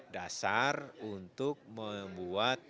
dasar untuk membuat